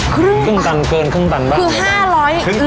เกินครึ่งตันบ้างนะครับครึ่งตัน๕๐๐กิโล